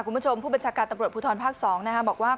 คุณผู้ชมผู้บัญชาการตำรวจภูทรภาค๒บอกว่า